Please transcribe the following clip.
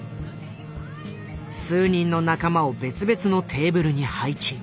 数人の仲間を別々のテーブルに配置。